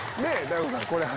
大悟さん。